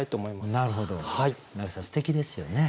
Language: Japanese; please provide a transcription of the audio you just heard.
すてきですよね。